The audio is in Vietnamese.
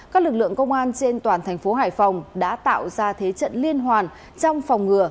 các lực lượng công an trên toàn thành phố hải phòng đã tạo ra thế trận liên hoàn trong phòng ngừa